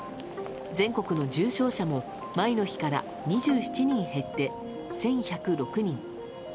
全国の重症者も前の日から２７人減って１１０６人。